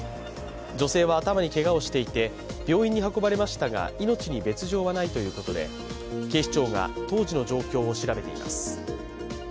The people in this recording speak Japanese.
女性は頭にけがをしていて病院に運ばれましたが、命に別状はないということで警視庁が当時の状況を調べています。